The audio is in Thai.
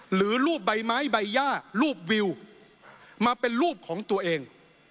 หรือรูปใบไม้ใบย่ารูปวิวมาเป็นรูปของตัวเอง